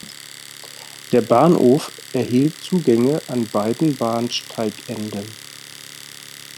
Der Bahnhof erhielt Zugänge an beiden Bahnsteigenden.